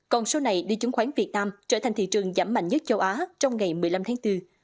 còn số này đi chứng khoán việt nam trở thành thị trường giảm mạnh nhất châu á trong ngày một mươi năm tháng bốn